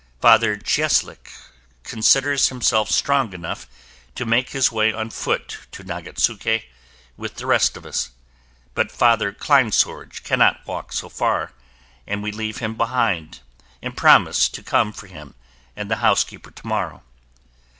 Father Cieslik considers himself strong enough to make his way on foot to Nagatsuke with the rest of us, but Father Kleinsorge cannot walk so far and we leave him behind and promise to come for him and the housekeeper tomorrow.